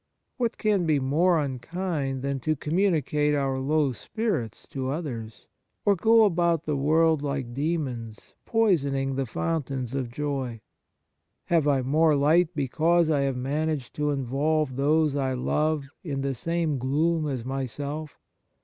What can be more unkind than to com municate our low spirits to others, to go about the world like demons, poisoning the fountains of joy ? Have I more light be cause I have managed to involve those I love in the same gloom as myself?